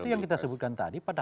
itu yang kita sebutkan tadi pada